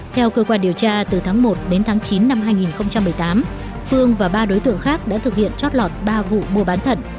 theo cơ quan điều tra từ tháng một đến tháng chín năm hai nghìn một mươi tám phương và ba đối tượng khác đã thực hiện chót lọt ba vụ mua bán thận